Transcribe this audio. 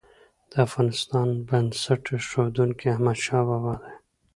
د افغانستان بنسټ ايښودونکی احمدشاه بابا دی.